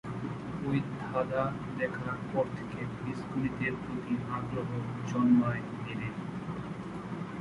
ঐ ধাঁধা দেখার পর থেকে বীজগণিতের প্রতি আগ্রহ জন্মায় মেরির।